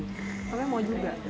tapi mau juga